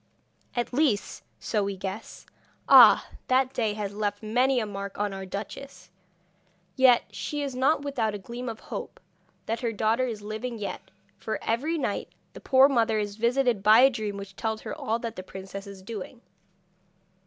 At least, so we guess. Ah! that day has left many a mark on our duchess! Yet she is not without a gleam of hope that her daughter is living yet, for every night the poor mother is visited by a dream which tells her all that the princess is doing.'